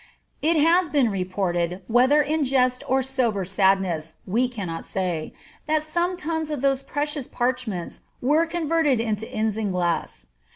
It has been reported, whether in jest or sober sadness, we cannot say, that some tons of those precious parchments were converted into isinglass.